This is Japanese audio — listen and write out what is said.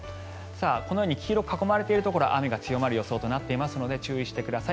このように黄色く囲まれているところ雨が強まる予想となっていますので注意してください。